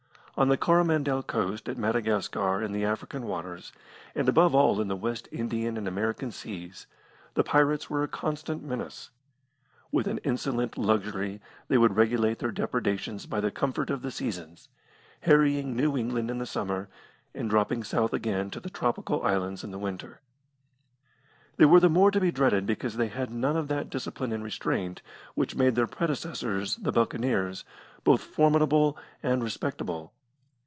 On the Coromandel Coast, at Madagascar, in the African waters, and above all in the West Indian and American seas, the pirates were a constant menace. With an insolent luxury they would regulate their depredations by the comfort of the seasons, harrying New England in the summer, and dropping south again to the tropical islands in the winter. They were the more to be dreaded because they had none of that discipline and restraint which made their predecessors, the Buccaneers, both formidable and respectable.